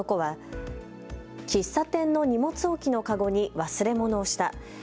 男は喫茶店の荷物置きの籠に忘れ物をした。